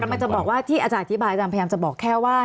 มันจะบอกว่าที่อาจารย์อธิบายอาจารย์พยายามจะบอกแค่ว่า